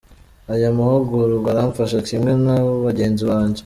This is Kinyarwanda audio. Aya mahugurwa aramfasha kimwe na bagenzi banjye.